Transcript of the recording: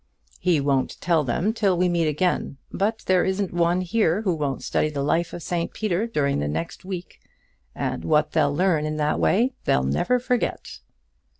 "He won't tell them till we meet again; but there isn't one here who won't study the life of St Peter during the next week. And what they'll learn in that way they'll never forget."